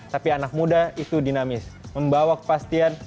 tapi anak muda itu dinamis membawa kepastian